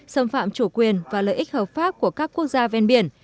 xâm phạm chủ quyền và lợi ích hợp pháp của các quốc gia ven biển